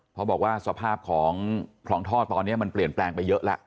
เพราะบอกว่าสภาพของคลองท่อตอนนี้มันเปลี่ยนแปลงไปเยอะแล้ว